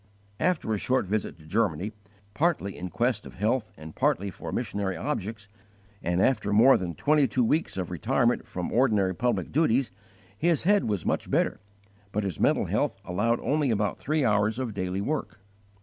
After a short visit to Germany, partly in quest of health and partly for missionary objects, and after more than twenty two weeks of retirement from ordinary public duties, his head was much better, but his mental health allowed only about three hours of daily work.